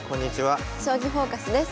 「将棋フォーカス」です。